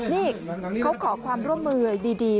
นี่เขาขอความร่วมมือดี